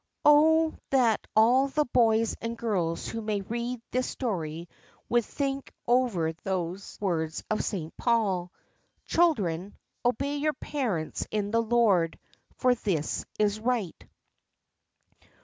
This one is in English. Oh that all the boys and girls who may read this story would think over those words of St Paul, "Children, obey your parents in the Lord; for this is right.